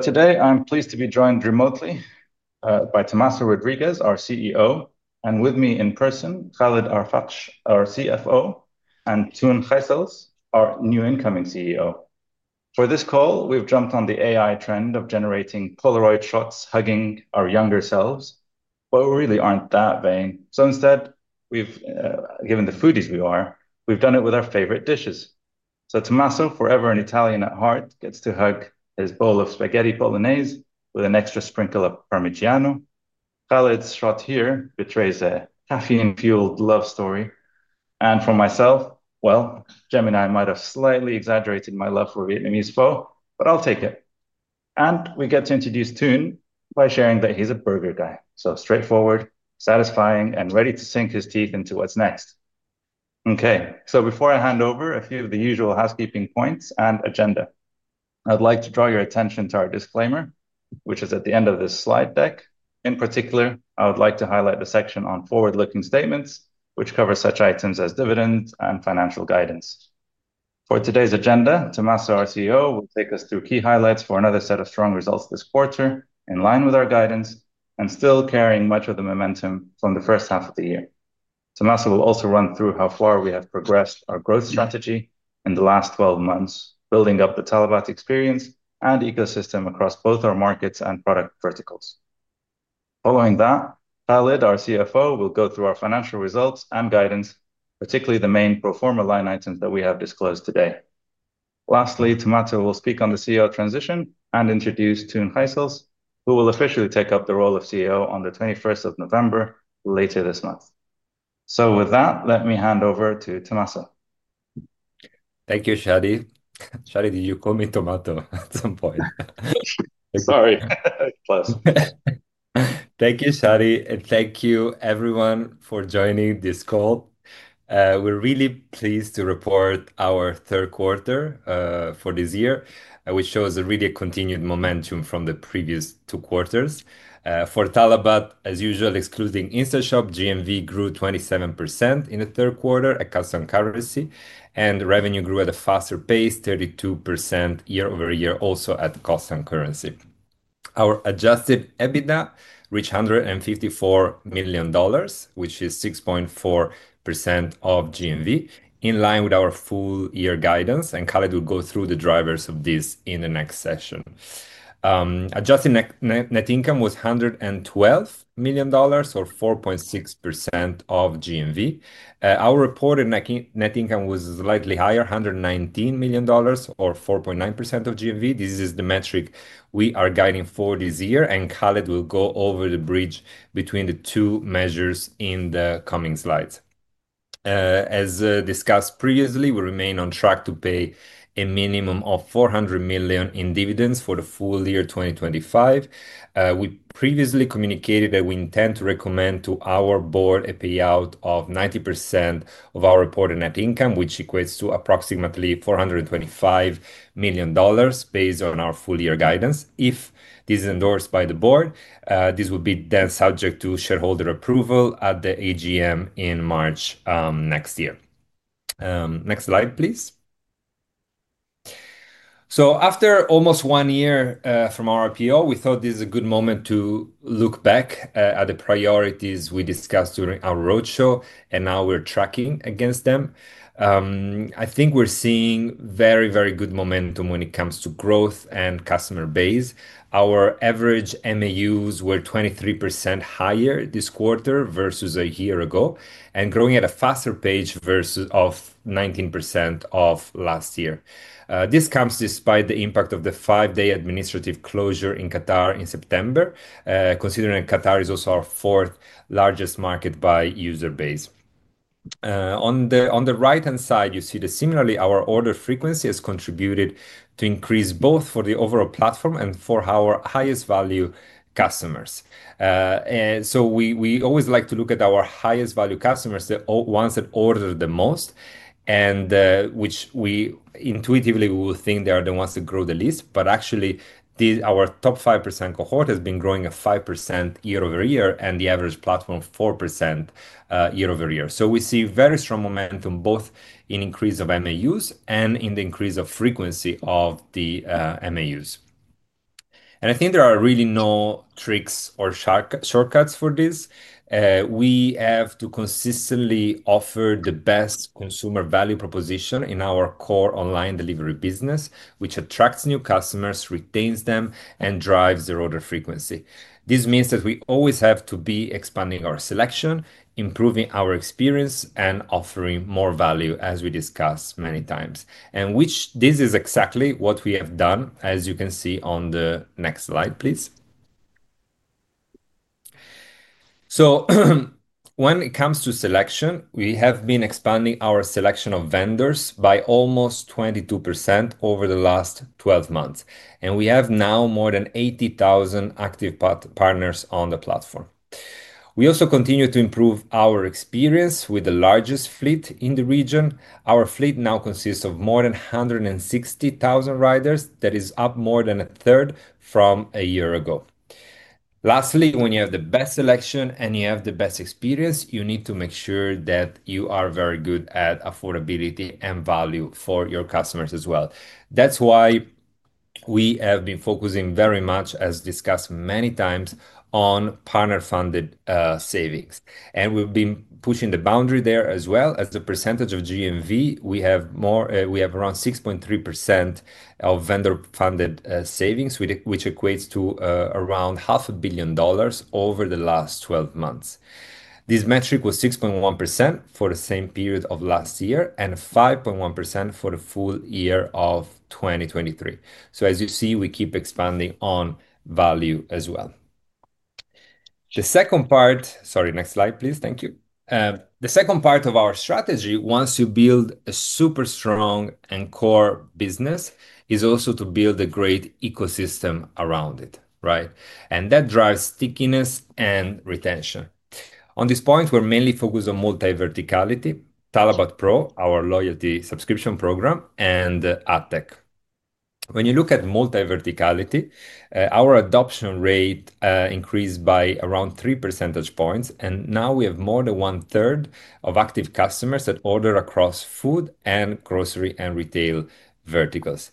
Today I am pleased to be joined remotely by Tomaso Rodriguez, our CEO, and with me in person, Khaled Alfakesh, our CFO, and Toon Gyssels, our new incoming CEO. For this call, we have jumped on the AI trend of generating Polaroid shots hugging our younger selves, but we really are not that vain. Instead, given the foodies we are, we have done it with our favorite dishes. Tomaso, forever an Italian at heart, gets to hug his bowl of spaghetti Bolognese with an extra sprinkle of Parmigiano. Khaled's shot here betrays a caffeine-fueled love story. For myself, Gemini might have slightly exaggerated my love for Vietnamese pho, but I will take it. We get to introduce Toon by sharing that he is a burger guy. Straightforward, satisfying, and ready to sink his teeth into what is next. Okay, so before I hand over, a few of the usual housekeeping points and agenda. I'd like to draw your attention to our disclaimer, which is at the end of this slide deck. In particular, I would like to highlight the section on forward-looking statements, which covers such items as dividends and financial guidance. For today's agenda, Tomaso, our CEO, will take us through key highlights for another set of strong results this quarter, in line with our guidance and still carrying much of the momentum from the first half of the year. Tomaso will also run through how far we have progressed our growth strategy in the last 12 months, building up the Talabat experience and ecosystem across both our markets and product verticals. Following that, Khaled, our CFO, will go through our financial results and guidance, particularly the main pro forma line items that we have disclosed today. Lastly, Tomato will speak on the CEO transition and introduce Toon Gyssels, who will officially take up the role of CEO on the 21st of November, later this month. With that, let me hand over to Tomaso. Thank you, Shadi. Shadi, did you call me Tomato at some point? Sorry. Thank you, Shadi, and thank you everyone for joining this call. We're really pleased to report our third quarter for this year, which shows really a continued momentum from the previous two quarters. For Talabat, as usual, excluding Instant Shop, GMV grew 27% in the third quarter at constant currency, and revenue grew at a faster pace, 32% year-over-year, also at constant currency. Our adjusted EBITDA reached $154 million, which is 6.4% of GMV, in line with our full year guidance, and Khaled will go through the drivers of this in the next session. Adjusted net income was $112 million, or 4.6% of GMV. Our reported net income was slightly higher, $119 million, or 4.9% of GMV. This is the metric we are guiding for this year, and Khaled will go over the bridge between the two measures in the coming slides. As discussed previously, we remain on track to pay a minimum of $400 million in dividends for the full year 2025. We previously communicated that we intend to recommend to our board a payout of 90% of our reported net income, which equates to approximately $425 million based on our full year guidance. If this is endorsed by the board, this would then be subject to shareholder approval at the AGM in March next year. Next slide, please. After almost one year from our IPO, we thought this is a good moment to look back at the priorities we discussed during our roadshow, and now we're tracking against them. I think we're seeing very, very good momentum when it comes to growth and customer base. Our average MAUs were 23% higher this quarter versus a year ago, and growing at a faster pace of 19% of last year. This comes despite the impact of the five-day administrative closure in Qatar in September, considering Qatar is also our fourth largest market by user base. On the right-hand side, you see that similarly, our order frequency has contributed to increase both for the overall platform and for our highest value customers. We always like to look at our highest value customers, the ones that order the most, and which we intuitively will think they are the ones that grow the least, but actually our top 5% cohort has been growing at 5% year-over-year and the average platform 4% year-over-year. We see very strong momentum both in increase of MAUs and in the increase of frequency of the MAUs. I think there are really no tricks or shortcuts for this. We have to consistently offer the best consumer value proposition in our core online delivery business, which attracts new customers, retains them, and drives their order frequency. This means that we always have to be expanding our selection, improving our experience, and offering more value, as we discussed many times. This is exactly what we have done, as you can see on the next slide, please. When it comes to selection, we have been expanding our selection of vendors by almost 22% over the last 12 months, and we have now more than 80,000 active partners on the platform. We also continue to improve our experience with the largest fleet in the region. Our fleet now consists of more than 160,000 riders. That is up more than a third from a year ago. Lastly, when you have the best selection and you have the best experience, you need to make sure that you are very good at affordability and value for your customers as well. That is why we have been focusing very much, as discussed many times, on partner-funded savings. We have been pushing the boundary there as well. As a percentage of GMV, we have around 6.3% of vendor-funded savings, which equates to around $500,000,000 over the last 12 months. This metric was 6.1% for the same period of last year and 5.1% for the full year of 2023. As you see, we keep expanding on value as well. The second part, sorry, next slide, please. Thank you. The second part of our strategy, once you build a super strong and core business, is also to build a great ecosystem around it, right? That drives stickiness and retention. On this point, we're mainly focused on multi-verticality: Talabat Pro, our loyalty subscription program, and AppTech. When you look at multi-verticality, our adoption rate increased by around 3 percentage points, and now we have more than one-third of active customers that order across food and grocery and retail verticals.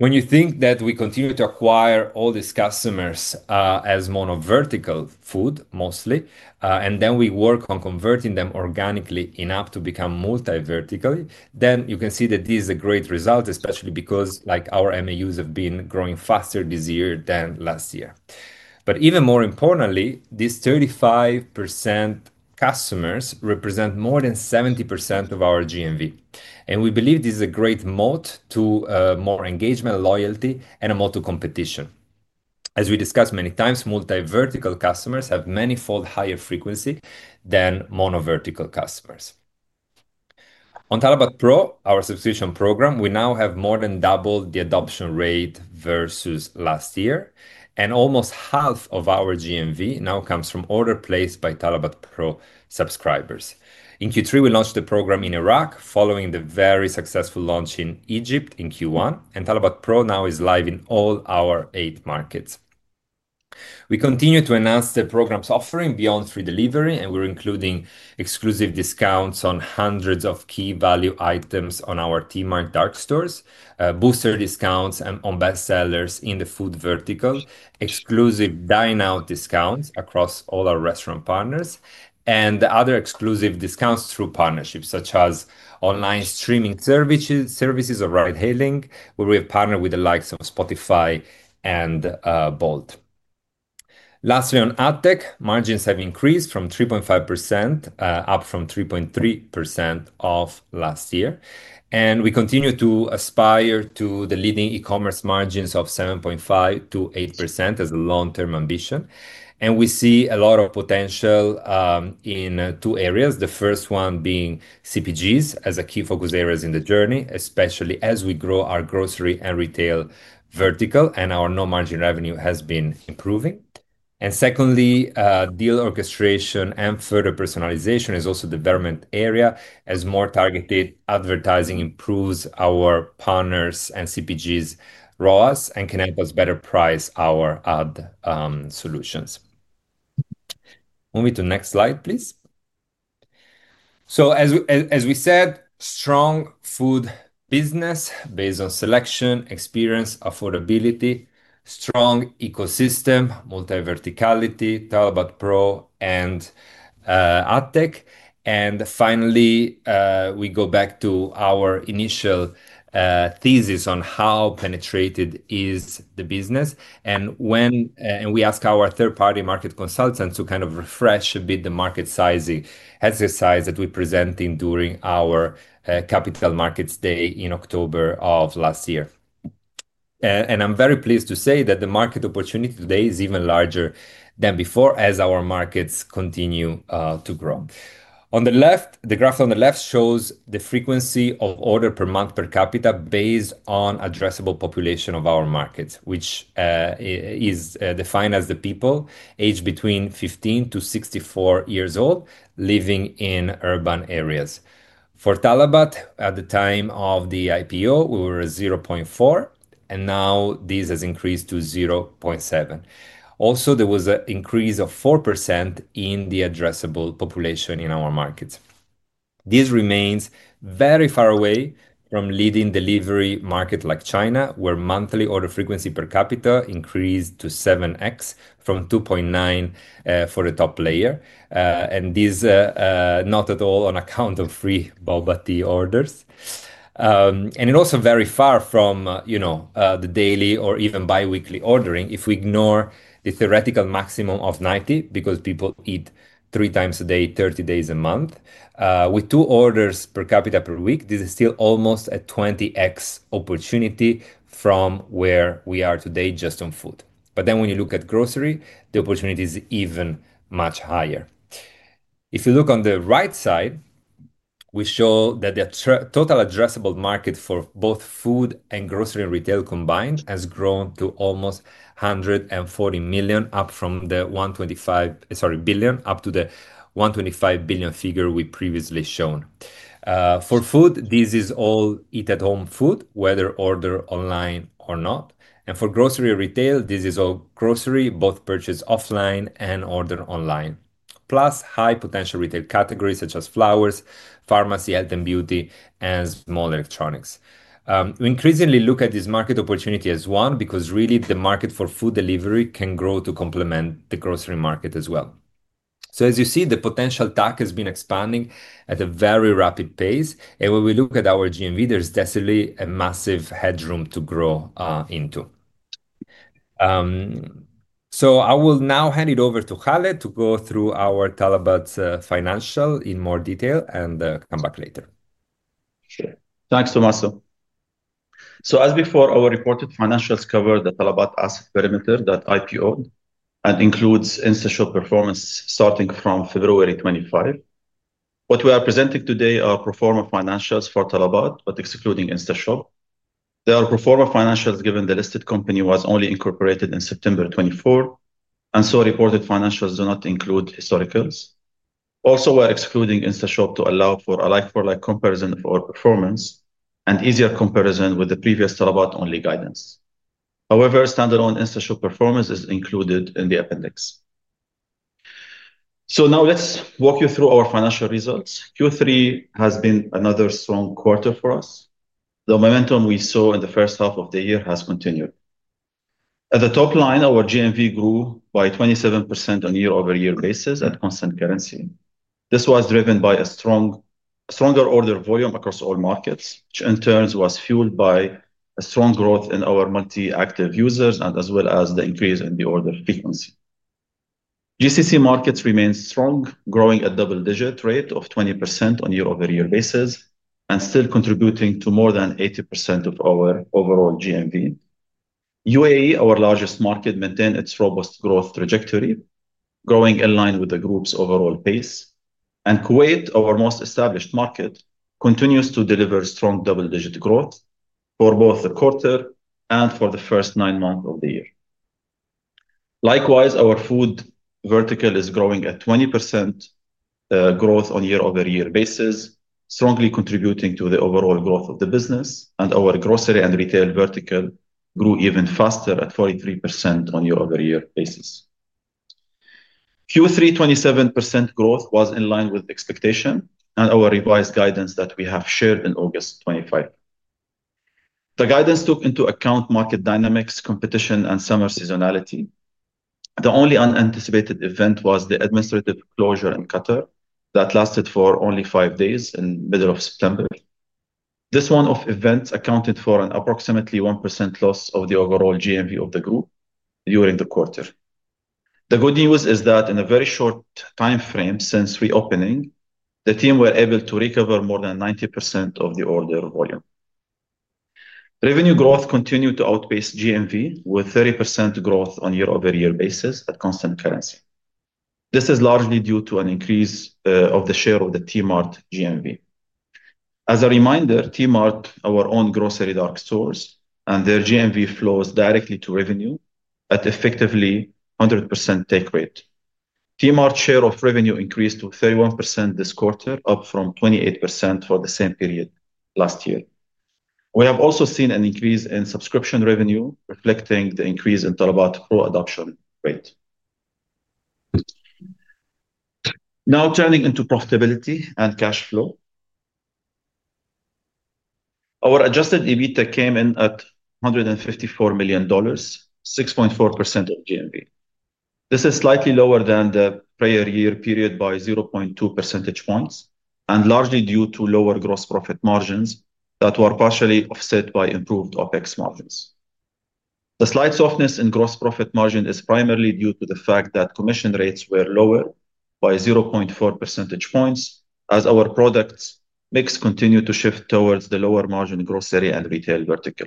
When you think that we continue to acquire all these customers as monovertical food, mostly, and then we work on converting them organically enough to become multi-vertical, you can see that this is a great result, especially because our MAUs have been growing faster this year than last year. Even more importantly, these 35% customers represent more than 70% of our GMV. We believe this is a great moat to more engagement, loyalty, and a moat to competition. As we discussed many times, multi-vertical customers have many-fold higher frequency than monovertical customers. On Talabat Pro, our subscription program, we now have more than double the adoption rate versus last year, and almost half of our GMV now comes from orders placed by Talabat Pro subscribers. In Q3, we launched the program in Iraq, following the very successful launch in Egypt in Q1, and Talabat Pro now is live in all our eight markets. We continue to enhance the program's offering beyond free delivery, and we are including exclusive discounts on hundreds of key value items on our T-Mart dark stores, booster discounts on bestsellers in the food vertical, exclusive dine-out discounts across all our restaurant partners, and other exclusive discounts through partnerships, such as online streaming services or ride-hailing, where we have partnered with the likes of Spotify and Bolt. Lastly, on AppTech, margins have increased from 3.5% up from 3.3% of last year. We continue to aspire to the leading e-commerce margins of 7.5%-8% as a long-term ambition. We see a lot of potential in two areas, the first one being CPGs as key focus areas in the journey, especially as we grow our grocery and retail vertical, and our non-margin revenue has been improving. Secondly, deal orchestration and further personalization is also a development area as more targeted advertising improves our partners' and CPGs' ROAS and can help us better price our ad solutions. Move me to the next slide, please. As we said, strong food business based on selection, experience, affordability, strong ecosystem, multi-verticality, Talabat Pro, and AppTech. Finally, we go back to our initial thesis on how penetrated is the business. We ask our third-party market consultants to kind of refresh a bit the market sizing exercise that we presented during our Capital Markets Day in October of last year. I'm very pleased to say that the market opportunity today is even larger than before as our markets continue to grow. The graph on the left shows the frequency of orders per month per capita based on the addressable population of our markets, which is defined as the people aged between 15 to 64 years old living in urban areas. For Talabat, at the time of the IPO, we were at 0.4%, and now this has increased to 0.7%. Also, there was an increase of 4% in the addressable population in our markets. This remains very far away from leading delivery markets like China, where monthly order frequency per capita increased to 7x from 2.9 for the top layer. This is not at all on account of free Talabat orders. It is also very far from the daily or even biweekly ordering if we ignore the theoretical maximum of 90 because people eat three times a day, 30 days a month. With two orders per capita per week, this is still almost a 20x opportunity from where we are today just on food. When you look at grocery, the opportunity is even much higher. If you look on the right side, we show that the total addressable market for both food and grocery and retail combined has grown to almost $140 billion, up from the $125 billion figure we previously showed. For food, this is all eat-at-home food, whether ordered online or not. For grocery and retail, this is all grocery, both purchased offline and ordered online, plus high potential retail categories such as flowers, pharmacy, health and beauty, and small electronics. We increasingly look at this market opportunity as one because really the market for food delivery can grow to complement the grocery market as well. As you see, the potential TAM has been expanding at a very rapid pace. When we look at our GMV, there is definitely a massive headroom to grow into. I will now hand it over to Khaled to go through our Talabat financials in more detail and come back later. Sure. Thanks, Tomaso. As before, our reported financials cover the Talabat asset perimeter that IPO'd and include InstaShop performance starting from February 25. What we are presenting today are pro forma financials for Talabat, but excluding Instant Shop. They are pro forma financials given the listed company was only incorporated in September 2024, and so reported financials do not include historicals. Also, we are excluding Instant Shop to allow for a like-for-like comparison of our performance and easier comparison with the previous Talabat-only guidance. However, standalone Instant Shop performance is included in the appendix. Now let's walk you through our financial results. Q3 has been another strong quarter for us. The momentum we saw in the first half of the year has continued. At the top line, our GMV grew by 27% on a year-over-year basis at constant currency. This was driven by a stronger order volume across all markets, which in turn was fueled by strong growth in our monthly active users as well as the increase in the order frequency. GCC markets remained strong, growing at double-digit rate of 20% on year-over-year basis and still contributing to more than 80% of our overall GMV. UAE, our largest market, maintained its robust growth trajectory, growing in line with the group's overall pace. Kuwait, our most established market, continues to deliver strong double-digit growth for both the quarter and for the first nine months of the year. Likewise, our food vertical is growing at 20% growth on year-over-year basis, strongly contributing to the overall growth of the business, and our grocery and retail vertical grew even faster at 43% on year-over-year basis. Q3 27% growth was in line with expectation and our revised guidance that we have shared in August 25. The guidance took into account market dynamics, competition, and summer seasonality. The only unanticipated event was the administrative closure in Qatar that lasted for only five days in the middle of September. This one-off event accounted for an approximately 1% loss of the overall GMV of the group during the quarter. The good news is that in a very short time frame since reopening, the team were able to recover more than 90% of the order volume. Revenue growth continued to outpace GMV with 30% growth on a year-over-year basis at constant currency. This is largely due to an increase of the share of the T-Mart GMV. As a reminder, T-Mart, our own grocery dark stores, and their GMV flows directly to revenue at effectively 100% take rate. T-Mart's share of revenue increased to 31% this quarter, up from 28% for the same period last year. We have also seen an increase in subscription revenue, reflecting the increase in Talabat Pro adoption rate. Now turning into profitability and cash flow. Our adjusted EBITDA came in at $154 million, 6.4% of GMV. This is slightly lower than the prior year period by 0.2 percentage points and largely due to lower gross profit margins that were partially offset by improved OpEx margins. The slight softness in gross profit margin is primarily due to the fact that commission rates were lower by 0.4 percentage points as our product mix continued to shift towards the lower margin grocery and retail vertical.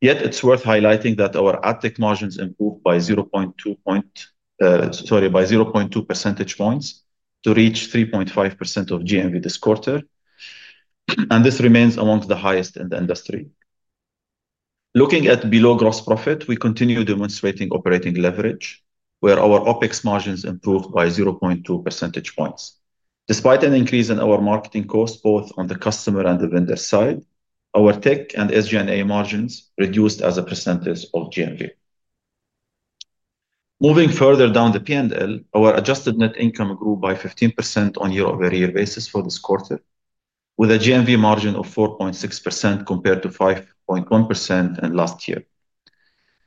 Yet it's worth highlighting that our AppTech margins improved by 0.2 percentage points to reach 3.5% of GMV this quarter, and this remains among the highest in the industry. Looking at below gross profit, we continue demonstrating operating leverage, where our OpEx margins improved by 0.2 percentage points. Despite an increase in our marketing costs both on the customer and the vendor side, our tech and SG&A margins reduced as a percentage of GMV. Moving further down the P&L, our adjusted net income grew by 15% on year-over-year basis for this quarter, with a GMV margin of 4.6% compared to 5.1% in last year.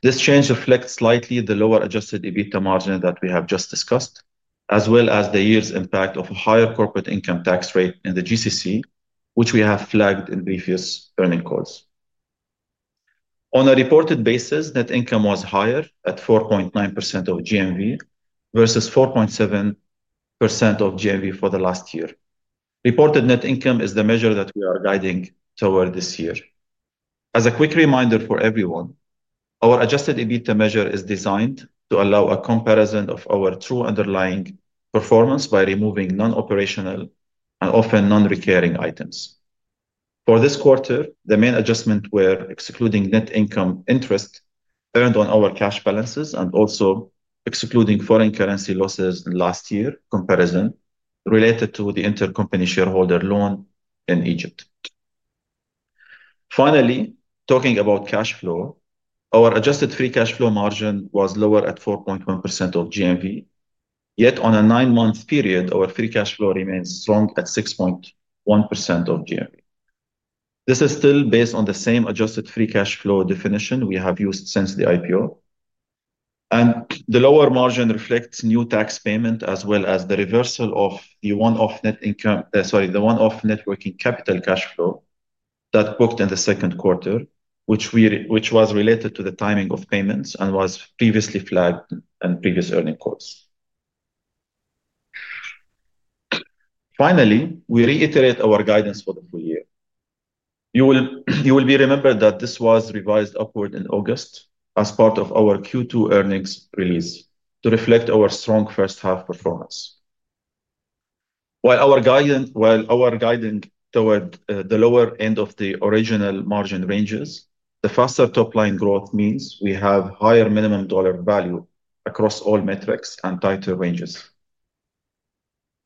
This change reflects slightly the lower adjusted EBITDA margin that we have just discussed, as well as the year's impact of a higher corporate income tax rate in the GCC, which we have flagged in previous earning calls. On a reported basis, net income was higher at 4.9% of GMV versus 4.7% of GMV for the last year. Reported net income is the measure that we are guiding toward this year. As a quick reminder for everyone, our adjusted EBITDA measure is designed to allow a comparison of our true underlying performance by removing non-operational and often non-recurring items. For this quarter, the main adjustments were excluding net income interest earned on our cash balances and also excluding foreign currency losses in last year comparison related to the intercompany shareholder loan in Egypt. Finally, talking about cash flow, our adjusted free cash flow margin was lower at 4.1% of GMV. Yet on a nine-month period, our free cash flow remains strong at 6.1% of GMV. This is still based on the same adjusted free cash flow definition we have used since the IPO. The lower margin reflects new tax payment as well as the reversal of the one-off net income, sorry, the one-off networking capital cash flow that booked in the second quarter, which was related to the timing of payments and was previously flagged in previous earnings calls. Finally, we reiterate our guidance for the full year. You will be remembered that this was revised upward in August as part of our Q2 earnings release to reflect our strong first-half performance. While our guiding toward the lower end of the original margin ranges, the faster top-line growth means we have higher minimum dollar value across all metrics and tighter ranges.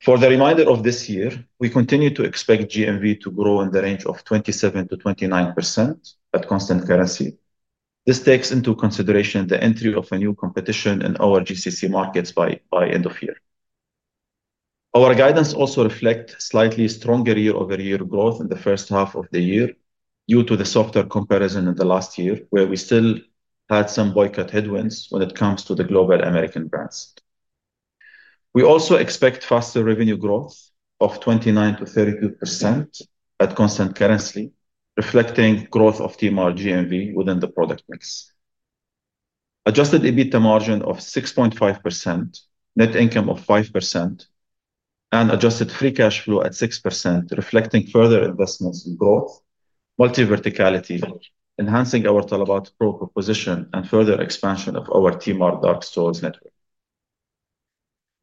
For the remainder of this year, we continue to expect GMV to grow in the range of 27%-29% at constant currency. This takes into consideration the entry of a new competition in our GCC markets by end of year. Our guidance also reflects slightly stronger year-over-year growth in the first half of the year due to the softer comparison in the last year, where we still had some boycott headwinds when it comes to the global American brands. We also expect faster revenue growth of 29%-32% at constant currency, reflecting growth of T-Mart GMV within the product mix. Adjusted EBITDA margin of 6.5%, net income of 5%, and adjusted free cash flow at 6%, reflecting further investments in growth, multi-verticality, enhancing our Talabat Pro proposition and further expansion of our T-Mart dark stores network.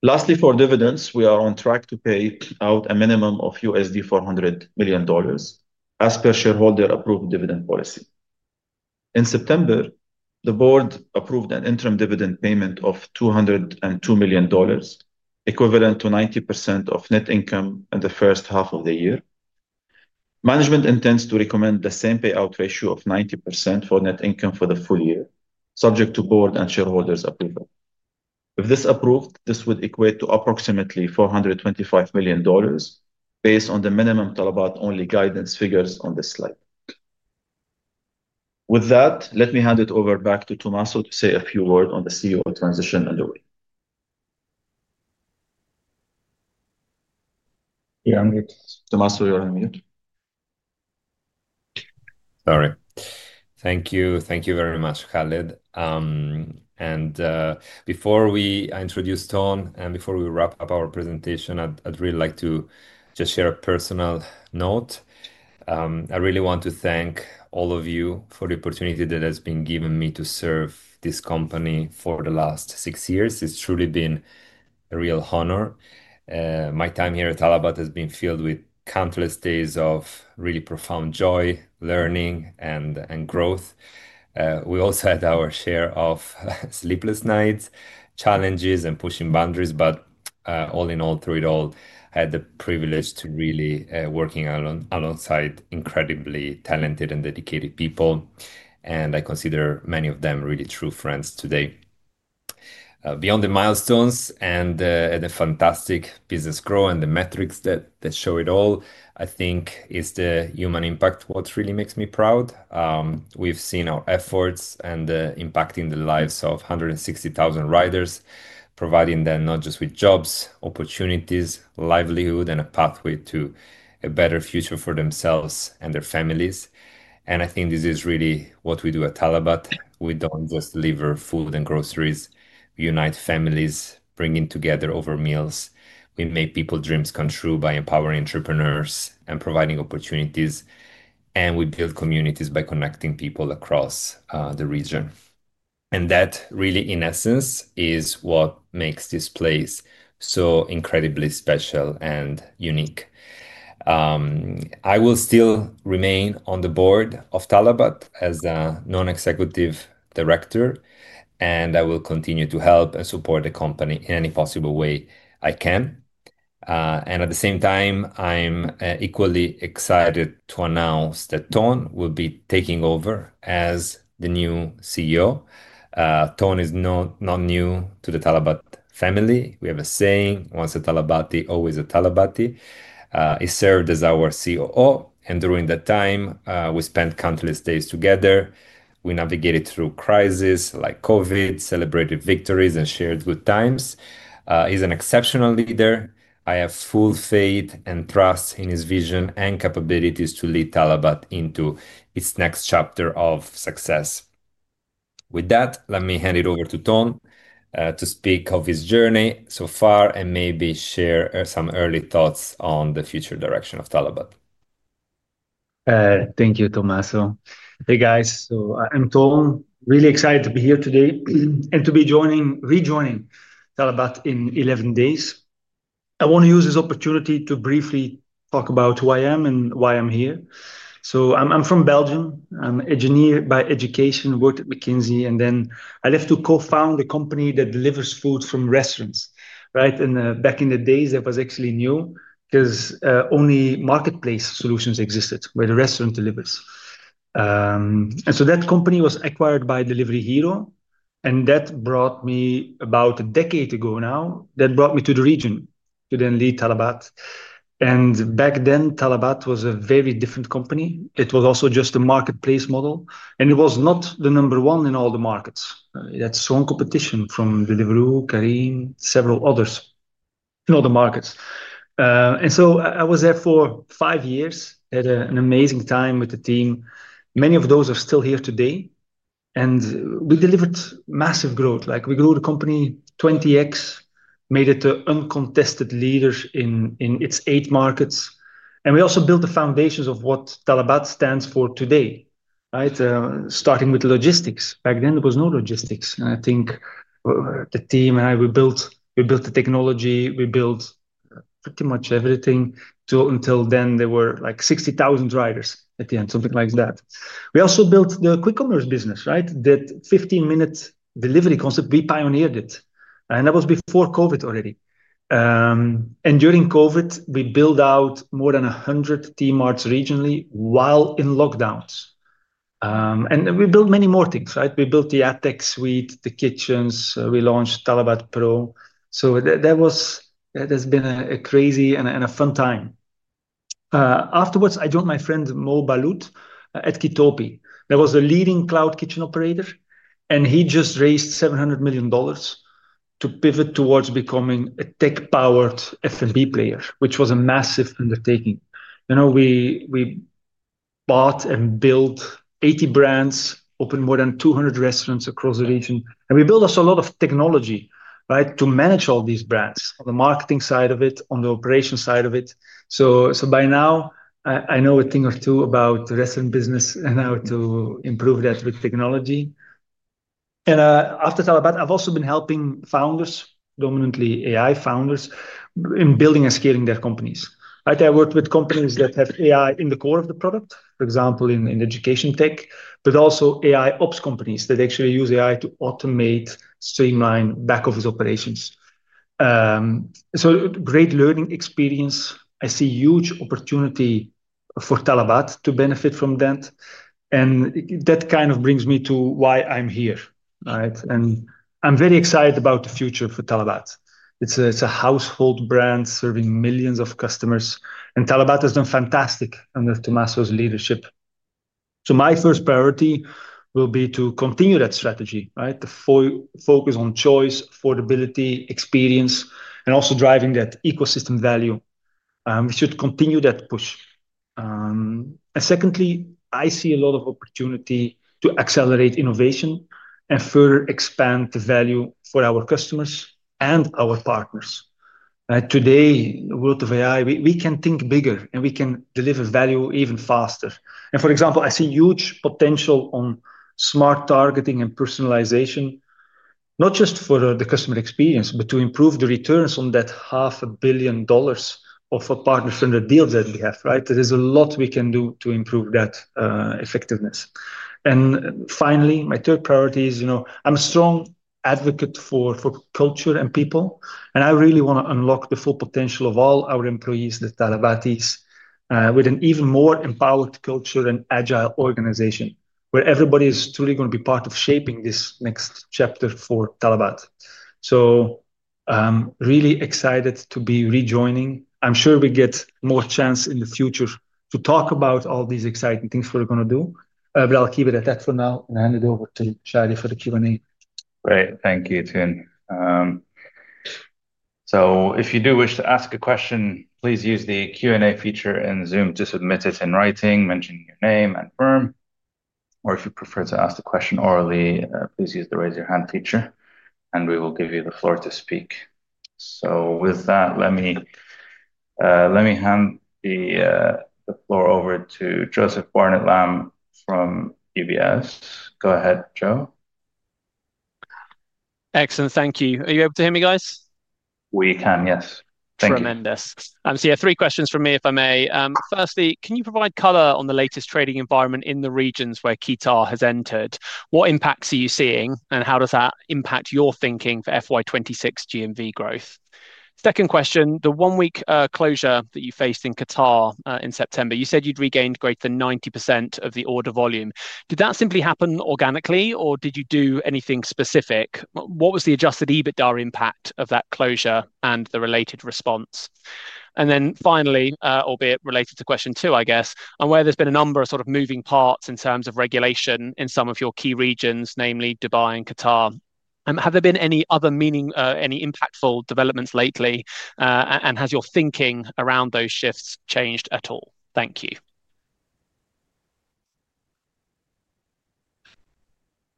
Lastly, for dividends, we are on track to pay out a minimum of $400 million as per shareholder-approved dividend policy. In September, the board approved an interim dividend payment of $202 million, equivalent to 90% of net income in the first half of the year. Management intends to recommend the same payout ratio of 90% for net income for the full year, subject to board and shareholders' approval. If this is approved, this would equate to approximately $425 million based on the minimum Talabat-only guidance figures on this slide. With that, let me hand it over back to Tomaso to say a few words on the CEO transition underway. Tomaso, you're on mute. Sorry. Thank you. Thank you very much, Khaled. Before we introduce Toon and before we wrap up our presentation, I'd really like to just share a personal note. I really want to thank all of you for the opportunity that has been given me to serve this company for the last six years. It's truly been a real honor. My time here at Talabat has been filled with countless days of really profound joy, learning, and growth. We also had our share of sleepless nights, challenges, and pushing boundaries. All in all, through it all, I had the privilege to really work alongside incredibly talented and dedicated people. I consider many of them really true friends today. Beyond the milestones and the fantastic business growth and the metrics that show it all, I think it is the human impact that really makes me proud. We have seen our efforts impacting the lives of 160,000 riders, providing them not just with jobs, opportunities, livelihood, and a pathway to a better future for themselves and their families. I think this is really what we do at Talabat. We do not just deliver food and groceries. We unite families, bringing them together over meals. We make people's dreams come true by empowering entrepreneurs and providing opportunities. We build communities by connecting people across the region. That really, in essence, is what makes this place so incredibly special and unique. I will still remain on the board of Talabat as a non-executive director, and I will continue to help and support the company in any possible way I can. At the same time, I'm equally excited to announce that Toon will be taking over as the new CEO. Toon is not new to the Talabat family. We have a saying, "Once a Talabati, always a Talabati." He served as our COO. During that time, we spent countless days together. We navigated through crises like COVID, celebrated victories, and shared good times. He's an exceptional leader. I have full faith and trust in his vision and capabilities to lead Talabat into its next chapter of success. With that, let me hand it over to Toon to speak of his journey so far and maybe share some early thoughts on the future direction of Talabat. Thank you, Tomaso. Hey, guys. So I'm Toon. Really excited to be here today and to be rejoining Talabat in 11 days. I want to use this opportunity to briefly talk about who I am and why I'm here. I'm from Belgium. I'm an engineer by education, worked at McKinsey, and then I left to co-found a company that delivers food from restaurants. Right? Back in the days, that was actually new because only marketplace solutions existed where the restaurant delivers. That company was acquired by Delivery Hero. That brought me about a decade ago now, that brought me to the region to then lead Talabat. Back then, Talabat was a very different company. It was also just a marketplace model. It was not the number one in all the markets. It had strong competition from Deliveroo, Careem, several others in all the markets. I was there for five years, had an amazing time with the team. Many of those are still here today. We delivered massive growth. We grew the company 20x, made it an uncontested leader in its eight markets. We also built the foundations of what Talabat stands for today, right? Starting with logistics. Back then, there was no logistics. I think the team and I, we built the technology, we built pretty much everything. Until then, there were like 60,000 riders at the end, something like that. We also built the quick commerce business, right? That 15-minute delivery concept, we pioneered it. That was before COVID already. During COVID, we built out more than 100 T-Marts regionally while in lockdowns. We built many more things, right? We built the AppTech suite, the kitchens. We launched Talabat Pro. That has been a crazy and a fun time. Afterwards, I joined my friend Mo Balut at Kitopi. There was a leading cloud kitchen operator, and he just raised $700 million to pivot towards becoming a tech-powered F&B player, which was a massive undertaking. We bought and built 80 brands, opened more than 200 restaurants across the region. We built us a lot of technology, right, to manage all these brands, on the marketing side of it, on the operation side of it. By now, I know a thing or two about the restaurant business and how to improve that with technology. After Talabat, I've also been helping founders, dominantly AI founders, in building and scaling their companies. I worked with companies that have AI in the core of the product, for example, in education tech, but also AI ops companies that actually use AI to automate, streamline back-office operations. Great learning experience. I see huge opportunity for Talabat to benefit from that. That kind of brings me to why I'm here, right? I'm very excited about the future for Talabat. It's a household brand serving millions of customers. Talabat has done fantastic under Tomaso's leadership. My first priority will be to continue that strategy, right? The focus on choice, affordability, experience, and also driving that ecosystem value. We should continue that push. Secondly, I see a lot of opportunity to accelerate innovation and further expand the value for our customers and our partners. Today, with the world of AI, we can think bigger and we can deliver value even faster. For example, I see huge potential on smart targeting and personalization, not just for the customer experience, but to improve the returns on that $500,000,000 of partners in the deals that we have, right? There is a lot we can do to improve that effectiveness. Finally, my third priority is I'm a strong advocate for culture and people, and I really want to unlock the full potential of all our employees, the Talabatis, with an even more empowered culture and agile organization where everybody is truly going to be part of shaping this next chapter for Talabat. I am really excited to be rejoining. I'm sure we get more chance in the future to talk about all these exciting things we're going to do, but I'll keep it at that for now and hand it over to Shadi for the Q&A. Great. Thank you, Toon. If you do wish to ask a question, please use the Q&A feature in Zoom to submit it in writing, mentioning your name and firm. If you prefer to ask the question orally, please use the raise your hand feature, and we will give you the floor to speak. With that, let me hand the floor over to Joseph Barnet-Lamb from UBS. Go ahead, Joe. Excellent. Thank you. Are you able to hear me, guys? We can, yes. Thank you. Tremendous. I see three questions from me, if I may. Firstly, can you provide color on the latest trading environment in the regions where Keeta has entered? What impacts are you seeing, and how does that impact your thinking for FY 2026 GMV growth? Second question, the one-week closure that you faced in Qatar in September, you said you'd regained greater than 90% of the order volume. Did that simply happen organically, or did you do anything specific? What was the adjusted EBITDA impact of that closure and the related response? Finally, albeit related to question two, I guess, and where there's been a number of sort of moving parts in terms of regulation in some of your key regions, namely Dubai and Qatar, have there been any other, meaning any impactful developments lately, and has your thinking around those shifts changed at all? Thank you.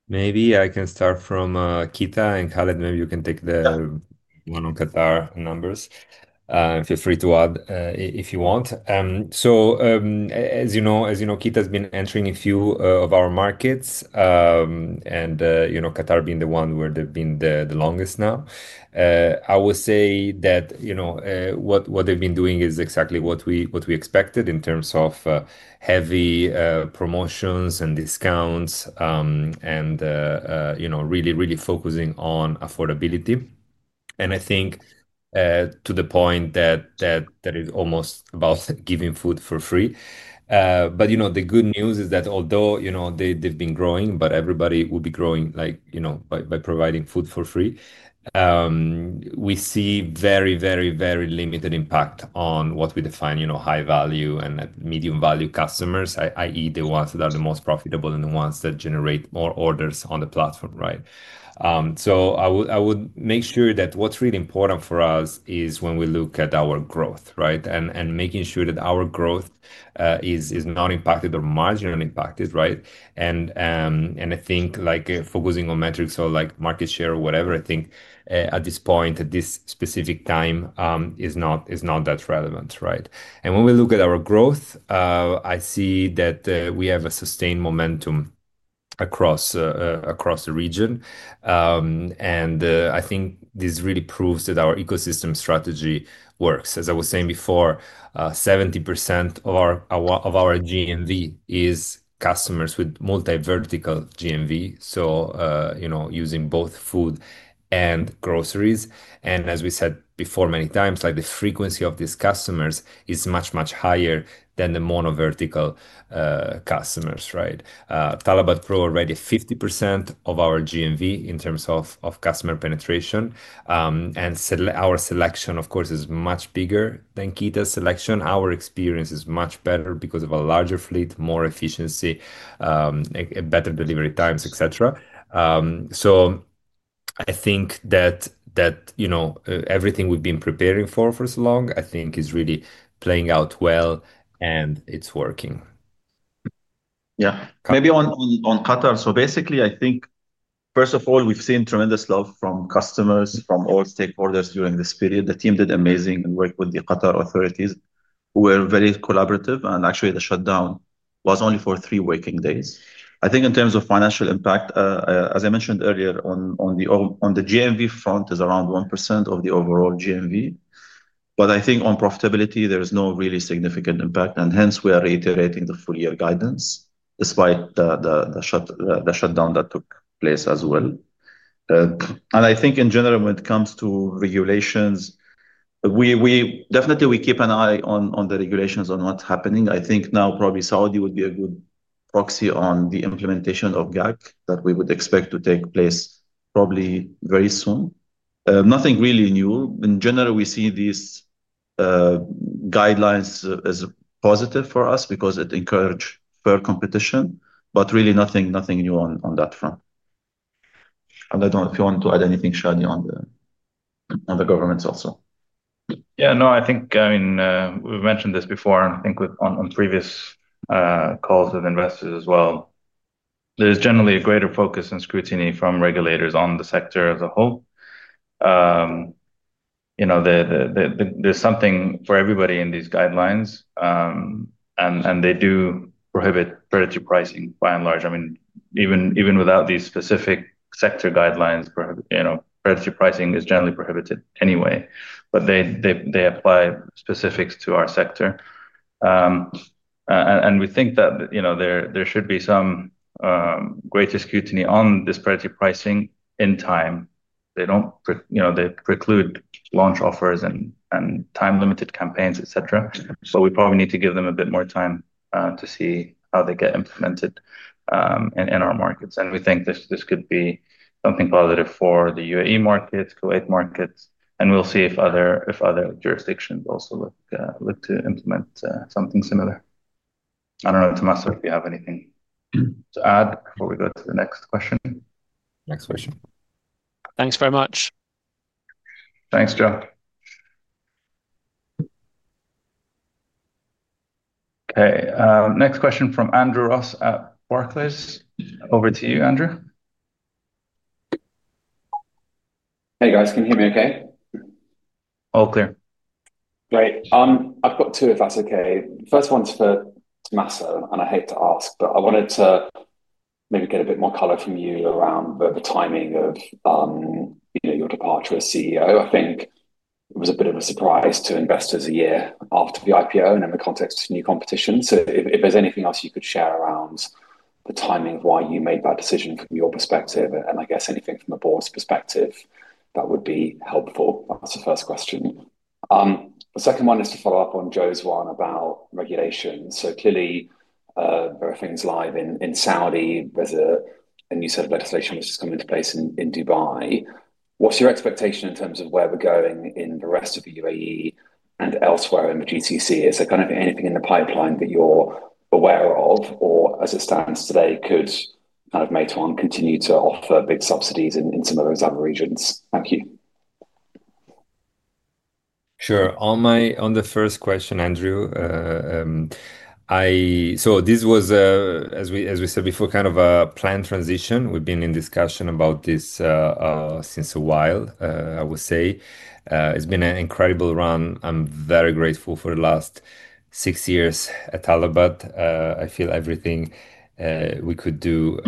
Maybe I can start from Keeta and Khaled. Maybe you can take the one on Qatar numbers. Feel free to add if you want. As you know, Keeta has been entering a few of our markets, and Qatar being the one where they have been the longest now. I will say that what they have been doing is exactly what we expected in terms of heavy promotions and discounts and really, really focusing on affordability. I think to the point that it is almost about giving food for free. The good news is that although they have been growing, everybody will be growing by providing food for free. We see very, very, very limited impact on what we define as high-value and medium-value customers, i.e., the ones that are the most profitable and the ones that generate more orders on the platform, right? I would make sure that what's really important for us is when we look at our growth, right, and making sure that our growth is not impacted or marginally impacted, right? I think focusing on metrics or market share or whatever, I think at this point, at this specific time, is not that relevant, right? When we look at our growth, I see that we have a sustained momentum across the region. I think this really proves that our ecosystem strategy works. As I was saying before, 70% of our GMV is customers with multi-vertical GMV, so using both food and groceries. As we said before many times, the frequency of these customers is much, much higher than the mono-vertical customers, right? Talabat Pro already has 50% of our GMV in terms of customer penetration. Our selection, of course, is much bigger than Keeta's selection. Our experience is much better because of a larger fleet, more efficiency, better delivery times, etc. I think that everything we've been preparing for for so long, I think, is really playing out well, and it's working. Yeah. Maybe on Qatar. Basically, I think, first of all, we've seen tremendous love from customers, from all stakeholders during this period. The team did amazing and worked with the Qatar authorities. We were very collaborative. Actually, the shutdown was only for three working days. I think in terms of financial impact, as I mentioned earlier, on the GMV front, it's around 1% of the overall GMV. I think on profitability, there's no really significant impact. Hence, we are reiterating the full-year guidance despite the shutdown that took place as well. I think in general, when it comes to regulations, definitely, we keep an eye on the regulations on what's happening. I think now probably Saudi would be a good proxy on the implementation of GAC that we would expect to take place probably very soon. Nothing really new. In general, we see these guidelines as positive for us because it encourages fair competition, but really nothing new on that front. I don't know if you want to add anything, Shadi, on the governments also. Yeah, no, I think, I mean, we've mentioned this before, and I think on previous calls with investors as well, there is generally a greater focus and scrutiny from regulators on the sector as a whole. There's something for everybody in these guidelines, and they do prohibit predatory pricing by and large. I mean, even without these specific sector guidelines, predatory pricing is generally prohibited anyway, but they apply specifics to our sector. We think that there should be some greater scrutiny on this predatory pricing in time. They preclude launch offers and time-limited campaigns, etc. We probably need to give them a bit more time to see how they get implemented in our markets. We think this could be something positive for the UAE markets, Kuwait markets, and we'll see if other jurisdictions also look to implement something similar. I don't know, Tomaso, if you have anything to add before we go to the next question. Next question. Thanks very much. Thanks, Joe. Okay. Next question from Andrew Ross at Barclays. Over to you, Andrew. Hey, guys. Can you hear me okay? All clear. Great. I've got two, if that's okay. The first one's for Tomaso, and I hate to ask, but I wanted to maybe get a bit more color from you around the timing of your departure as CEO. I think it was a bit of a surprise to investors a year after the IPO and in the context of new competition. If there's anything else you could share around the timing of why you made that decision from your perspective, and I guess anything from the board's perspective, that would be helpful. That's the first question. The second one is to follow-up on Joe's one about regulation. Clearly, there are things live in Saudi. There's a new set of legislation which has come into place in Dubai. What's your expectation in terms of where we're going in the rest of the UAE and elsewhere in the GCC? Is there kind of anything in the pipeline that you're aware of or, as it stands today, could kind of May 1 continue to offer big subsidies in some of those other regions? Thank you. Sure. On the first question, Andrew, this was, as we said before, kind of a planned transition. We've been in discussion about this since a while, I would say. It's been an incredible run. I'm very grateful for the last six years at Talabat. I feel everything we could do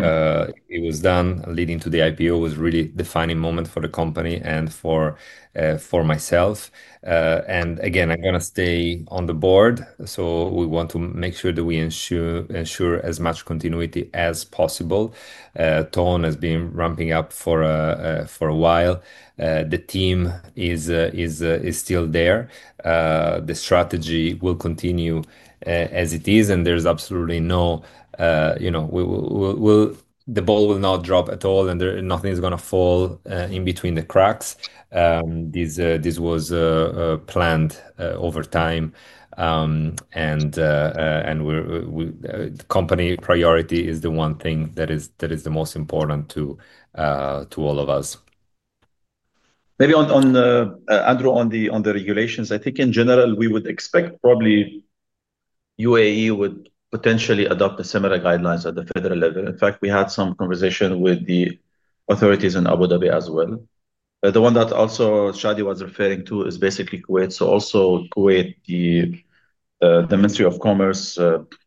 was done leading to the IPO, which was really a defining moment for the company and for myself. Again, I'm going to stay on the board, so we want to make sure that we ensure as much continuity as possible. Tom has been ramping up for a while. The team is still there. The strategy will continue as it is, and there's absolutely no—the ball will not drop at all, and nothing is going to fall in between the cracks. This was planned over time, and the company priority is the one thing that is the most important to all of us. Maybe on the regulations, I think in general, we would expect probably UAE would potentially adopt similar guidelines at the federal level. In fact, we had some conversation with the authorities in Abu Dhabi as well. The one that also Shadi was referring to is basically Kuwait. Also, Kuwait, the Ministry of Commerce,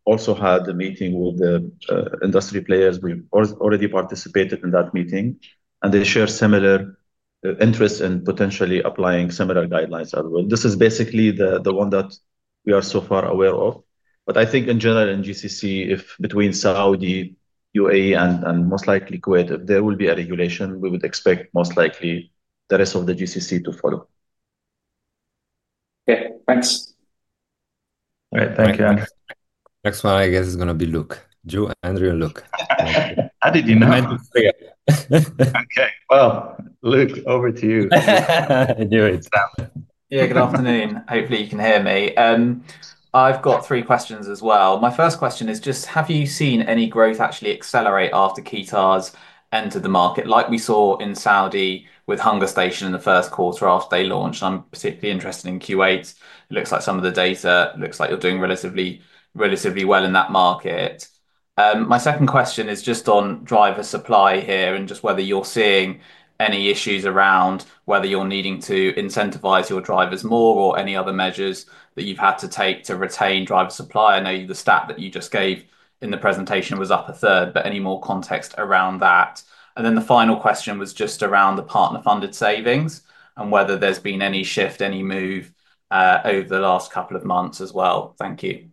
also had a meeting with the industry players. We've already participated in that meeting, and they share similar interests in potentially applying similar guidelines as well. This is basically the one that we are so far aware of. But I think in general, in GCC, between Saudi, UAE, and most likely Kuwait, if there will be a regulation, we would expect most likely the rest of the GCC to follow. Okay. Thanks. All right. Thank you, Andrew. Next one, I guess, is going to be Luke. Joe, Andrew, and Luke. I didn't know. Okay. Luke, over to you. I knew it. Yeah, good afternoon. Hopefully, you can hear me. I've got three questions as well. My first question is just, have you seen any growth actually accelerate after Keeta's entered the market like we saw in Saudi with Hungerstation in the first quarter after they launched? I'm particularly interested in Kuwait. It looks like some of the data looks like you're doing relatively well in that market. My second question is just on driver supply here and just whether you're seeing any issues around whether you're needing to incentivize your drivers more or any other measures that you've had to take to retain driver supply. I know the stat that you just gave in the presentation was up a third, but any more context around that? The final question was just around the partner-funded savings and whether there's been any shift, any move over the last couple of months as well. Thank you.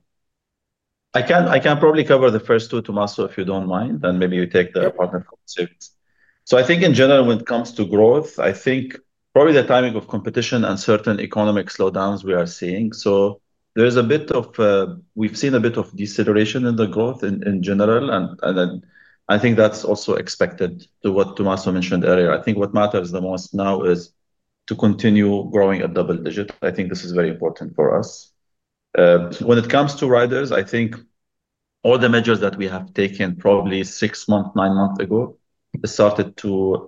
I can probably cover the first two, Tomaso, if you don't mind, and maybe you take the partner-funded savings. I think in general, when it comes to growth, I think probably the timing of competition and certain economic slowdowns we are seeing. There is a bit of—we have seen a bit of deceleration in the growth in general, and I think that is also expected to what Tomaso mentioned earlier. I think what matters the most now is to continue growing at double digits. I think this is very important for us. When it comes to riders, I think all the measures that we have taken probably six months, nine months ago, started to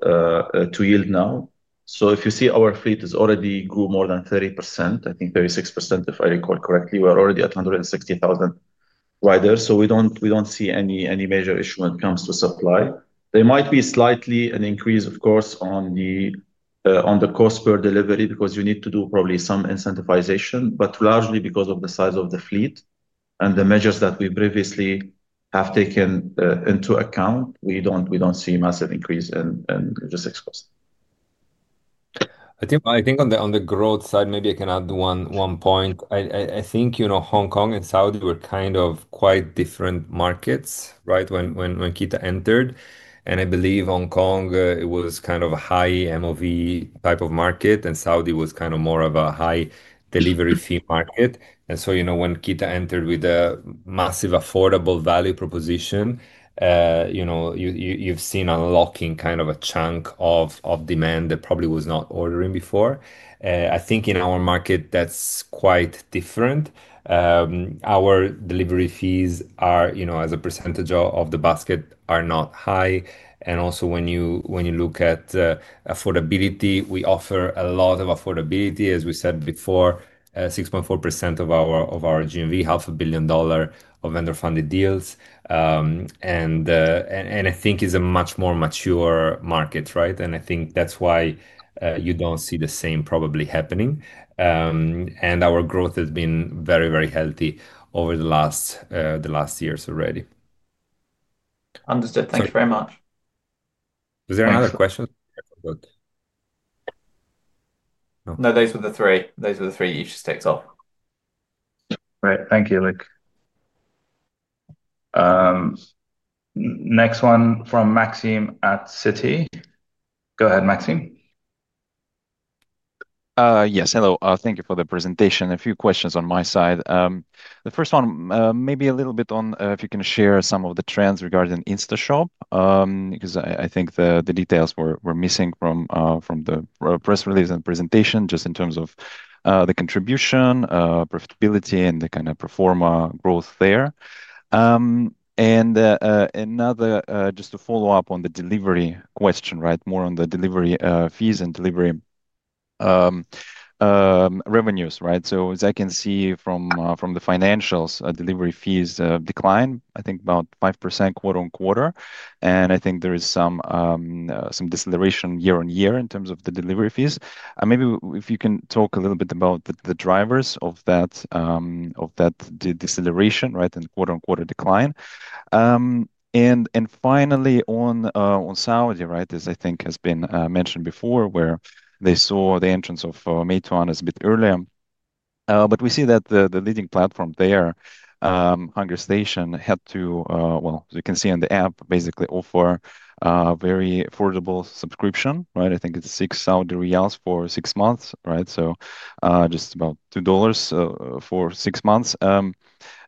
yield now. If you see, our fleet has already grown more than 30%, I think 36% if I recall correctly. We are already at 160,000 riders. We do not see any major issue when it comes to supply. There might be slightly an increase, of course, on the cost per delivery because you need to do probably some incentivization, but largely because of the size of the fleet and the measures that we previously have taken into account, we do not see a massive increase in logistics costs. I think on the growth side, maybe I can add one point. I think Hong Kong and Saudi were kind of quite different markets, right, when Keeta entered. And I believe Hong Kong, it was kind of a high MOV type of market, and Saudi was kind of more of a high delivery fee market. When Keeta entered with a massive affordable value proposition, you have seen unlocking kind of a chunk of demand that probably was not ordering before. I think in our market, that is quite different. Our delivery fees, as a percentage of the basket, are not high. Also, when you look at affordability, we offer a lot of affordability, as we said before, 6.4% of our GMV, $500,000,000 of vendor-funded deals. I think it is a much more mature market, right? I think that is why you do not see the same probably happening. Our growth has been very, very healthy over the last years already. Understood. Thank you very much. Was there another question? No, those were the three. Those were the three. Each just takes off. Right. Thank you, Luke. Next one from Maxim at Citi. Go ahead, Maxim. Yes. Hello. Thank you for the presentation. A few questions on my side. The first one, maybe a little bit on if you can share some of the trends regarding InstaShop because I think the details were missing from the press release and presentation just in terms of the contribution, profitability, and the kind of pro forma growth there. Another just to follow up on the delivery question, right, more on the delivery fees and delivery revenues, right? As I can see from the financials, delivery fees decline, I think, about 5% quarter on quarter. I think there is some deceleration year on year in terms of the delivery fees. Maybe if you can talk a little bit about the drivers of that deceleration, right, and quarter on quarter decline. Finally, on Saudi, right, as I think has been mentioned before, where they saw the entrance of May 1 is a bit earlier. We see that the leading platform there, Hungerstation, had to, as you can see on the app, basically offer a very affordable subscription, right? I think it is 6 Saudi riyals for six months, right? Just about $2 for six months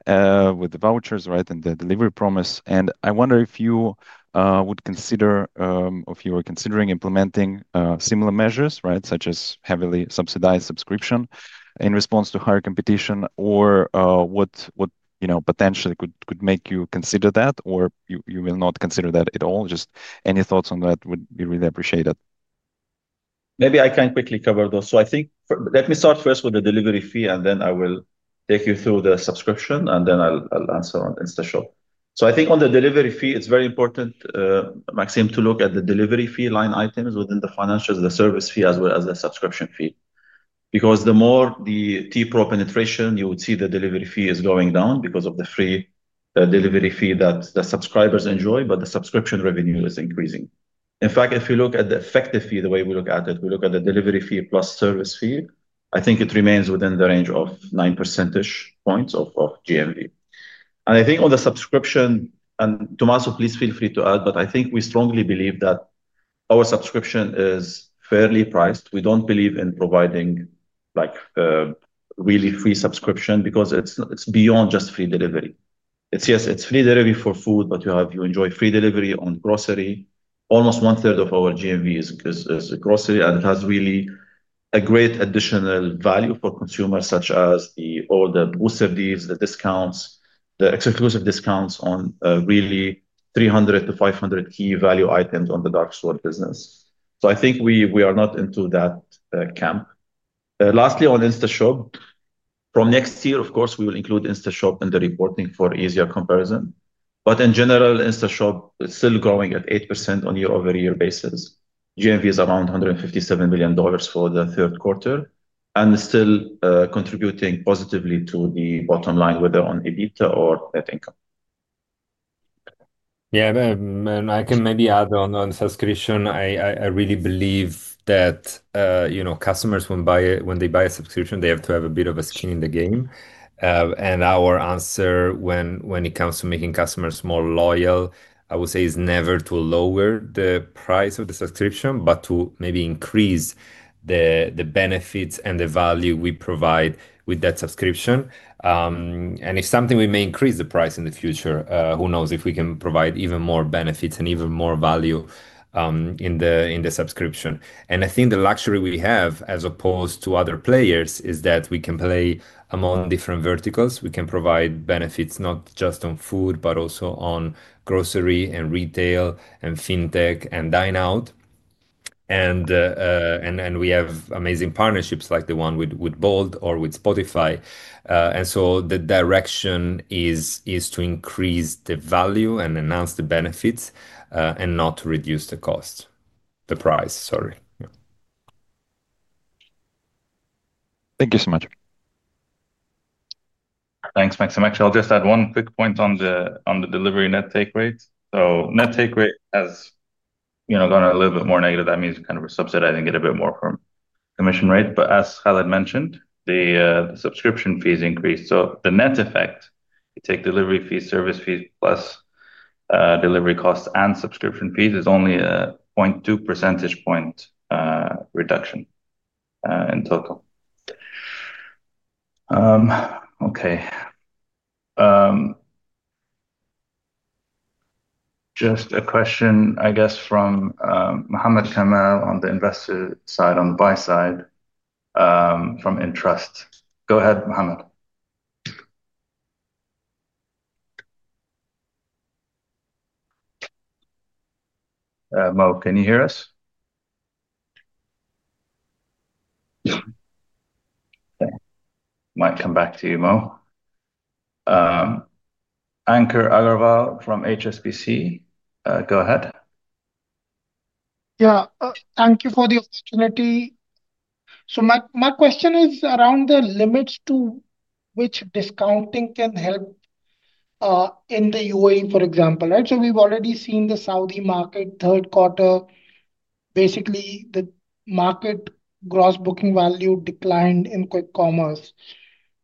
with the vouchers, right, and the delivery promise. I wonder if you would consider, if you were considering implementing similar measures, right, such as heavily subsidized subscription in response to higher competition or what potentially could make you consider that or you will not consider that at all. Any thoughts on that would be really appreciated. Maybe I can quickly cover those. I think let me start first with the delivery fee, and then I will take you through the subscription, and then I will answer on InstaShop. I think on the delivery fee, it's very important, Maxim, to look at the delivery fee line items within the financials, the service fee, as well as the subscription fee. Because the more the TPRO penetration, you would see the delivery fee is going down because of the free delivery fee that the subscribers enjoy, but the subscription revenue is increasing. In fact, if you look at the effective fee, the way we look at it, we look at the delivery fee plus service fee, I think it remains within the range of 9 percentage points of GMV. I think on the subscription, and Tomaso, please feel free to add, but I think we strongly believe that our subscription is fairly priced. We don't believe in providing really free subscription because it's beyond just free delivery. Yes, it's free delivery for food, but you enjoy free delivery on grocery. Almost one-third of our GMV is grocery, and it has really a great additional value for consumers such as all the booster deals, the discounts, the exclusive discounts on really 300-500 key value items on the dark store business. I think we are not into that camp. Lastly, on InstaShop, from next year, of course, we will include InstaShop in the reporting for easier comparison. In general, InstaShop is still growing at 8% on year-over-year basis. GMV is around $157 million for the third quarter and still contributing positively to the bottom line, whether on EBITDA or net income. Yeah. I can maybe add on the subscription. I really believe that customers, when they buy a subscription, they have to have a bit of a skin in the game. Our answer when it comes to making customers more loyal, I would say, is never to lower the price of the subscription, but to maybe increase the benefits and the value we provide with that subscription. If something, we may increase the price in the future. Who knows if we can provide even more benefits and even more value in the subscription. I think the luxury we have as opposed to other players is that we can play among different verticals. We can provide benefits not just on food, but also on grocery and retail and fintech and dine-out. We have amazing partnerships like the one with Bolt or with Spotify. The direction is to increase the value and announce the benefits and not reduce the cost, the price, sorry. Thank you so much. Thanks, Maxim. Actually, I'll just add one quick point on the delivery net take rate. Net take rate has gone a little bit more negative. That means kind of subsidizing it a bit more from commission rate. As Khaled mentioned, the subscription fees increased. The net effect, you take delivery fees, service fees, plus delivery costs and subscription fees, is only a 0.2 percentage point reduction in total. Okay. Just a question, I guess, from Mohammad Kamal on the investor side, on the buy side from Intrust. Go ahead, Mohammad. Mo, can you hear us? Okay. Might come back to you, Mo. Ankur Aggarwal from HSBC. Go ahead. Yeah. Thank you for the opportunity. My question is around the limits to which discounting can help in the UAE, for example, right? We've already seen the Saudi market third quarter, basically the market gross booking value declined in quick commerce.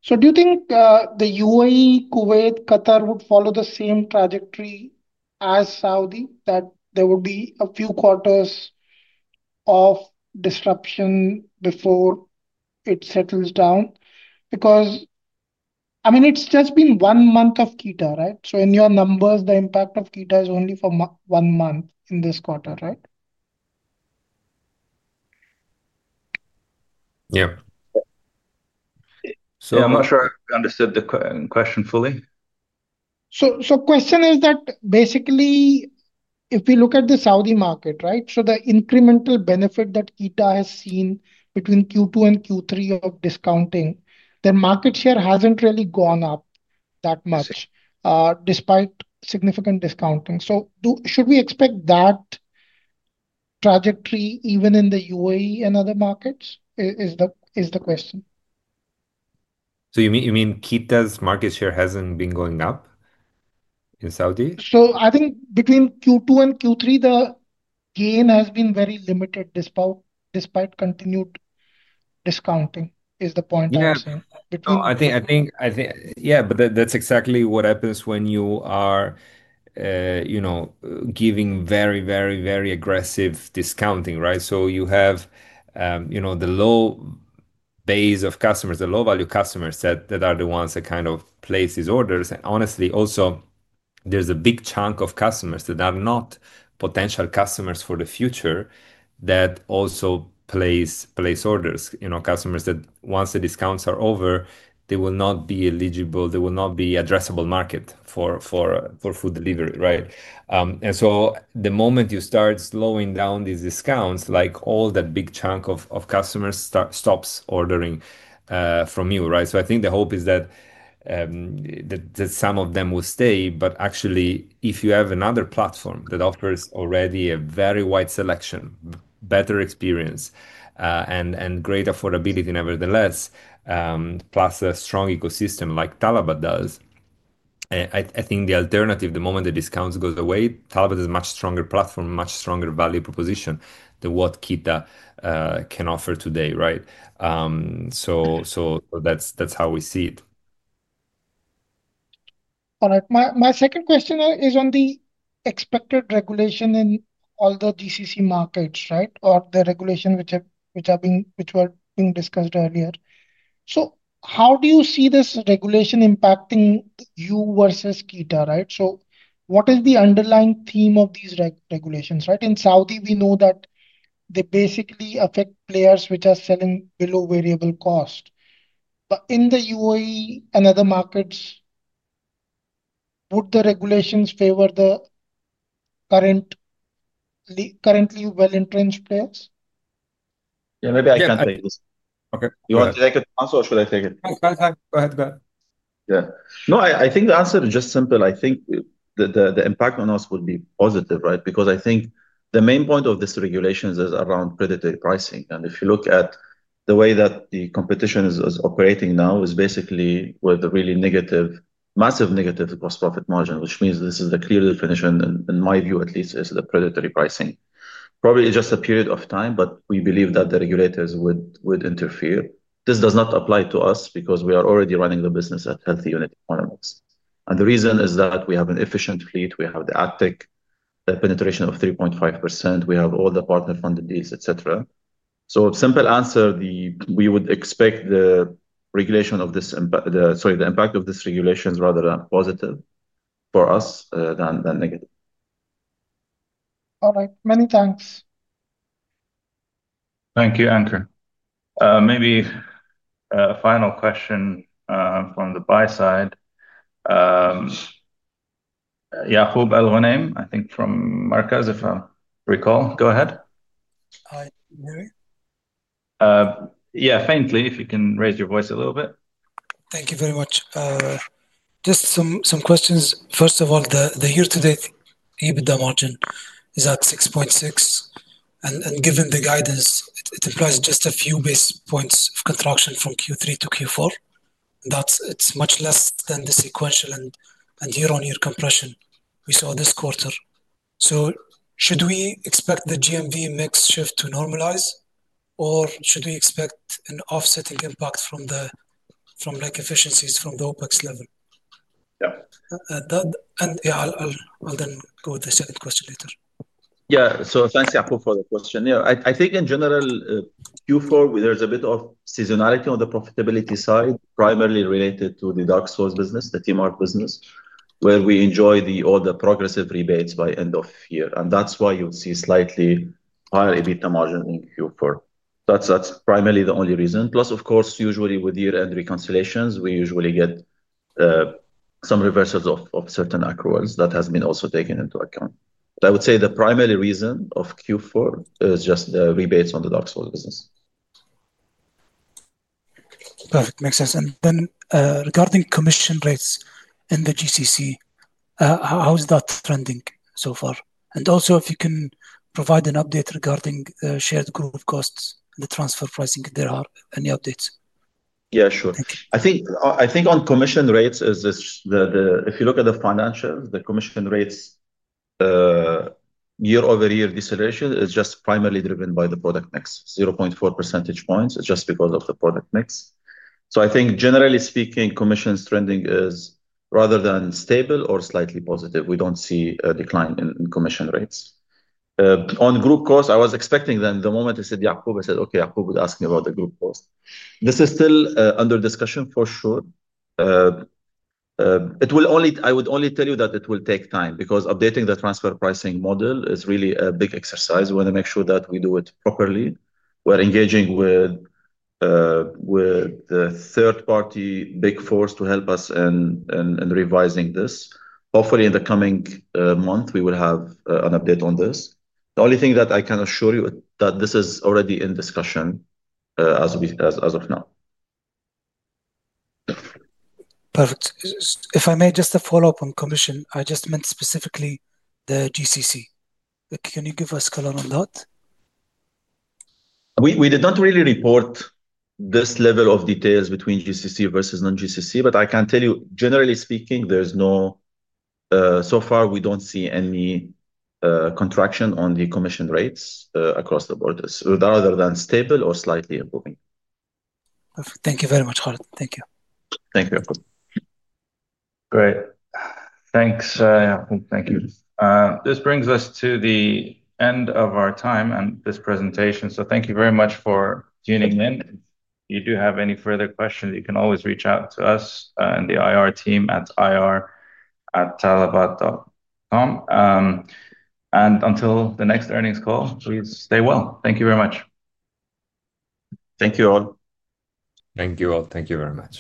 Do you think the UAE, Kuwait, Qatar would follow the same trajectory as Saudi, that there would be a few quarters of disruption before it settles down? I mean, it's just been one month of Keeta, right? In your numbers, the impact of Keeta is only for one month in this quarter, right? Yeah. I'm not sure I understood the question fully. The question is that basically, if we look at the Saudi market, the incremental benefit that Keeta has seen between Q2 and Q3 of discounting, their market share hasn't really gone up that much despite significant discounting. Should we expect that trajectory even in the UAE and other markets? Is the question. You mean Keeta's market share hasn't been going up in Saudi? I think between Q2 and Q3, the gain has been very limited despite continued discounting, is the point I'm saying. Yeah, I think, yeah, but that's exactly what happens when you are giving very, very, very aggressive discounting, right? You have the low base of customers, the low-value customers that are the ones that kind of place these orders. And honestly, also, there's a big chunk of customers that are not potential customers for the future that also place orders. Customers that, once the discounts are over, they will not be eligible. They will not be addressable market for food delivery, right? The moment you start slowing down these discounts, all that big chunk of customers stops ordering from you, right? I think the hope is that some of them will stay. Actually, if you have another platform that offers already a very wide selection, better experience, and great affordability nevertheless, plus a strong ecosystem like Talabat does, I think the alternative, the moment the discounts go away, Talabat is a much stronger platform, much stronger value proposition than what Keeta can offer today, right? That is how we see it. My second question is on the expected regulation in all the GCC markets, right, or the regulation which was being discussed earlier. How do you see this regulation impacting you versus Keeta, right? What is the underlying theme of these regulations, right? In Saudi, we know that they basically affect players which are selling below variable cost. In the UAE and other markets, would the regulations favor the currently well-entrenched players? Yeah, maybe I can take this. Okay. You want to take it, Tomaso, or should I take it? Go ahead. Yeah. No, I think the answer is just simple. I think the impact on us would be positive, right? Because I think the main point of this regulation is around predatory pricing. If you look at the way that the competition is operating now, it is basically with a really negative, massive negative gross profit margin, which means this is the clear definition, in my view at least, of predatory pricing. Probably just a period of time, but we believe that the regulators would interfere. This does not apply to us because we are already running the business at healthy unit economics. The reason is that we have an efficient fleet. We have the ATIC penetration of 3.5%. We have all the partner-funded deals, etc. Simple answer, we would expect the regulation of this, sorry, the impact of this regulation is rather positive for us than negative. All right. Many thanks. Thank you, Ankur. Maybe a final question from the buy side. Yakub El-Ghanem, I think from Markaz, if I recall. Go ahead. Hi. Can you hear me? Yeah, faintly, if you can raise your voice a little bit. Thank you very much. Just some questions. First of all, the year-to-date EBITDA margin is at 6.6%. And given the guidance, it implies just a few basis points of contraction from Q3 to Q4. It is much less than the sequential and year-on-year compression we saw this quarter. Should we expect the GMV mix shift to normalize, or should we expect an offsetting impact from efficiencies from the OpEx level? Yeah. I will then go with the second question later. Yeah. Thanks, Yakub, for the question. Yeah. I think in general, Q4, there's a bit of seasonality on the profitability side, primarily related to the dark store business, the T-Mart business, where we enjoy all the progressive rebates by end of year. That's why you'd see slightly higher EBITDA margin in Q4. That's primarily the only reason. Plus, of course, usually with year-end reconciliations, we usually get some reversals of certain accruals. That has been also taken into account. I would say the primary reason of Q4 is just the rebates on the dark store business. Perfect. Makes sense. Regarding commission rates in the GCC, how is that trending so far? Also, if you can provide an update regarding the shared group costs and the transfer pricing, if there are any updates. Yeah, sure. I think on commission rates, if you look at the financials, the commission rates year-over-year deceleration is just primarily driven by the product mix, 0.4 percentage points. It's just because of the product mix. I think, generally speaking, commissions trending is rather than stable or slightly positive. We don't see a decline in commission rates. On group costs, I was expecting that the moment I said Yakub, I said, "Okay, Yakub would ask me about the group cost." This is still under discussion, for sure. I would only tell you that it will take time because updating the transfer pricing model is really a big exercise. We want to make sure that we do it properly. We're engaging with the third-party big four to help us in revising this. Hopefully, in the coming month, we will have an update on this. The only thing that I can assure you is that this is already in discussion as of now. Perfect. If I may, just a follow-up on commission. I just meant specifically the GCC. Can you give us a column on that? We did not really report this level of details between GCC versus non-GCC, but I can tell you, generally speaking, so far, we do not see any contraction on the commission rates across the board, rather they are stable or slightly improving. Perfect. Thank you very much, Khaled. Thank you. Thank you. Great. Thanks. Thank you. This brings us to the end of our time and this presentation. Thank you very much for tuning in. If you do have any further questions, you can always reach out to us and the IR team at ir@talabat.com. Until the next earnings call, please stay well. Thank you very much. Thank you all. Thank you very much.